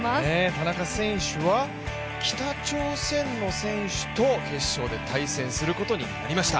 田中選手は北朝鮮の選手と決勝で対戦することになりました。